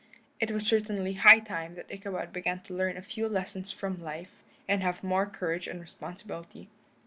It was certainly high time that Ichabod began to learn a few lessons from life, and have more courage and responsibility.